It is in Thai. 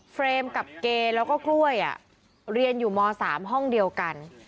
เฟรมกับเกแล้วก็กล้วยเรียนอยู่ม๓ห้องเดียวกัน